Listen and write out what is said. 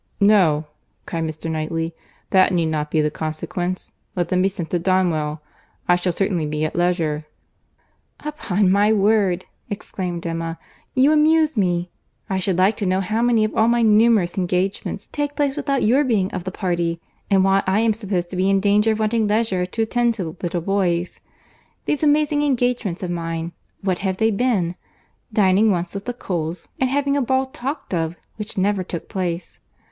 "No," cried Mr. Knightley, "that need not be the consequence. Let them be sent to Donwell. I shall certainly be at leisure." "Upon my word," exclaimed Emma, "you amuse me! I should like to know how many of all my numerous engagements take place without your being of the party; and why I am to be supposed in danger of wanting leisure to attend to the little boys. These amazing engagements of mine—what have they been? Dining once with the Coles—and having a ball talked of, which never took place.